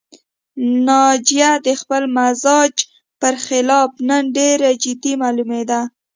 ناجیه د خپل مزاج پر خلاف نن ډېره جدي معلومېده